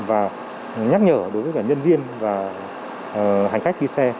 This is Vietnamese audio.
và nhắc nhở đối với cả nhân viên và hành khách đi xe